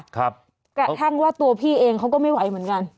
กระทั่งว่าตัวพี่เองเขาก็ไม่ไหวเหมือนกัน